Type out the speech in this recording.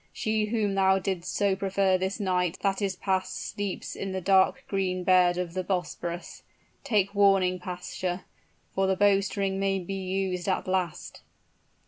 She whom thou didst so prefer this night that is passed sleeps in the dark green bed of the Bosporus. Take warning, pasha; for the bowstring may be used at last.